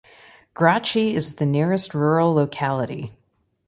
Grachi is the nearest rural locality.